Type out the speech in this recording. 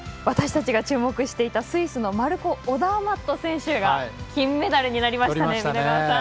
私たちが注目していたスイスのマルコ・オダーマット選手が金メダルになりましたね。